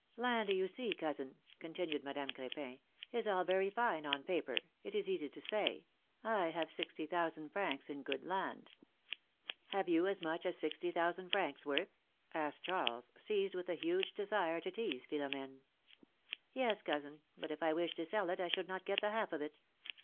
^^Land, you see, cousin," continued Madame Cr^pin, is all very fine on paper — it is easy to say —^ I have sixty thousand francs in good land —'" '^Have you as much as sixty thousand francs worth?" asked Charles, seized with a huge desire to tease Philom^ne. ^^Yes, cousin; but if I wished to sell it, I should not get the half of it.